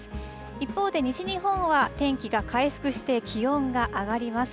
一方で、西日本は天気が回復して、気温が上がります。